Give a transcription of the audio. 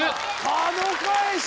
角返し！